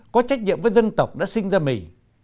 có trách nhiệm với dân tộc đã sinh ra mình